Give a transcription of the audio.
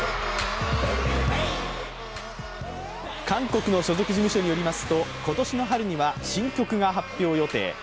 韓国の所属事務所によりますと今年の春には新曲が発表予定。